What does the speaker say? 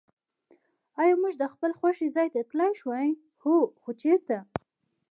آیا موږ د خپل خوښي ځای ته تللای شوای؟ هو. خو چېرته؟